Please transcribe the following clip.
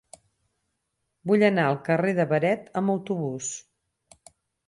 Vull anar al carrer de Beret amb autobús.